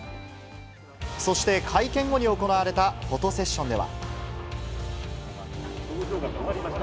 そして、会見後に行われたフォトセッションでは。